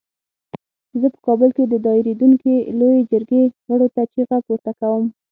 زه په کابل کې د دایریدونکې لویې جرګې غړو ته چیغه پورته کوم.